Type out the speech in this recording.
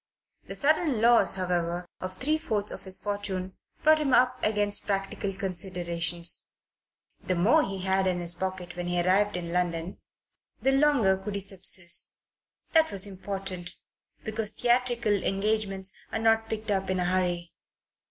The sudden loss, however, of three fourths of his fortune brought him up against practical considerations. The more he had in his pocket when he arrived in London, the longer could he subsist. That was important, because theatrical engagements are not picked up in a hurry.